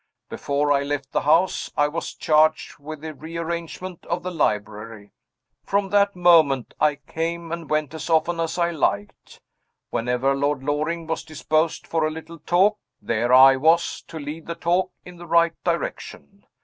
Before I left the house, I was charged with the rearrangement of the library. From that moment I came and went as often as I liked. Whenever Lord Loring was disposed for a little talk, there I was, to lead the talk in the right direction.